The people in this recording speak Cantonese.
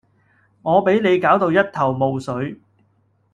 我比你攪到一頭霧水